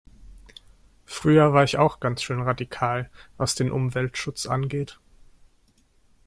Früher war ich auch ganz schön radikal, was den Umweltschutz angeht.